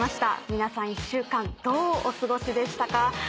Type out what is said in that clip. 皆さん１週間どうお過ごしでしたか？